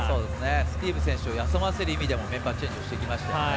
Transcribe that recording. スティーブ選手を休ませる意味でもメンバーチェンジをしてきました。